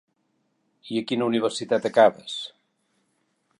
I a quina universitat acabes?